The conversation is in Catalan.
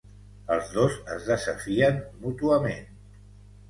Els dos es desafien mútuament.